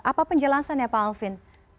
apa penjelasannya pak alvin